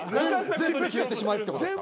全部消えてしまえってことですか？